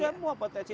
itu semua potensi